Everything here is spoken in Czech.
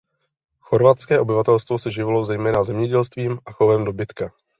Chorvatské obyvatelstvo se živilo zejména zemědělstvím a chovem dobytka.